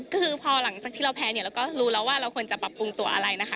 ก็คือพอหลังจากที่เราแพ้เนี่ยเราก็รู้แล้วว่าเราควรจะปรับปรุงตัวอะไรนะคะ